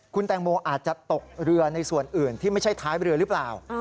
คุณแตงโมอาจจะตกเรือในส่วนอื่นที่ไม่ใช่ท้ายเรือหรือเปล่า